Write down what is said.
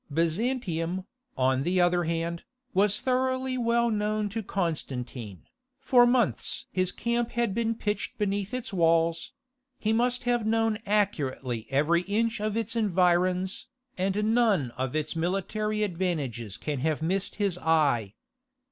Byzantium, on the other hand, was thoroughly well known to Constantine. For months his camp had been pitched beneath its walls; he must have known accurately every inch of its environs, and none of its military advantages can have missed his eye.